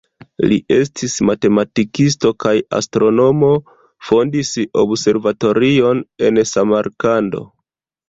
Li estis matematikisto kaj astronomo, fondis observatorion en Samarkando.